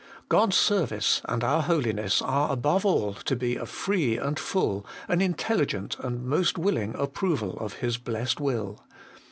God's service and our holiness are above all to be a free and full, an intelligent and most willing, approval of His blessed will.